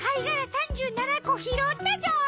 ３７こひろったぞ！